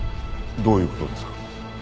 どういう事ですか？